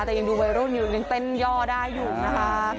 แต่ยังดูวัยรุ่นอยู่ยังเต้นย่อได้อยู่นะคะ